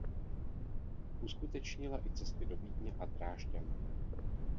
Uskutečnila i cesty do Vídně a Drážďan.